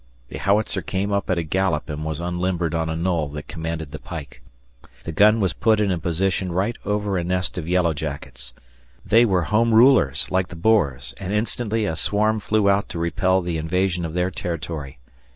The howitzer came up at a gallop and was unlimbered on a knoll that commanded the pike. The gun was put in a position right over a nest of yellow jackets. They were home rulers, like the Boers, and instantly a swarm flew out to repel the invasion of their territory.